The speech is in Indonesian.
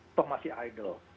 atau masih idle